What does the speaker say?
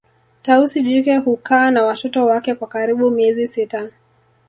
Tausi jike hukaa na watoto wake kwa karibu miezi sita